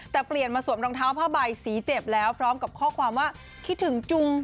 แต่เปลี่ยนมาสวมรองเท้าผ้าใบสีเจ็บแล้วพร้อมกับข้อความว่าคิดถึงจุง